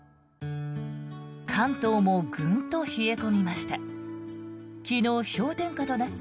関東もぐんと冷え込みました。